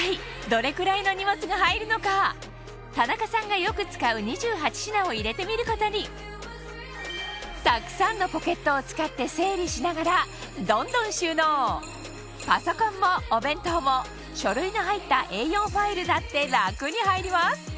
一体田中さんがよく使う２８品を入れてみることにたくさんのポケットを使って整理しながらどんどん収納パソコンもお弁当も書類の入ったＡ４ファイルだって楽に入ります